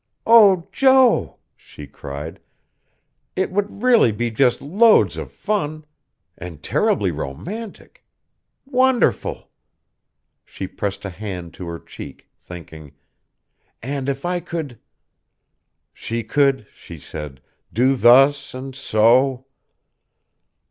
"Oh, Joe," she cried, "it would really be just loads of fun. And terribly romantic.... Wonderful!" She pressed a hand to her cheek, thinking: "And I could...." She could, she said, do thus and so....